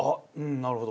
なるほど。